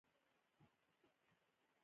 مسلکي والی د مدیریت له مهمو مهارتونو څخه دی.